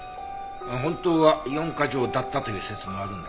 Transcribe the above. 本当は四カ条だったという説もあるんだけどね。